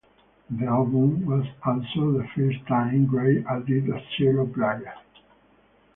The album was also the first time Gray added a cello player.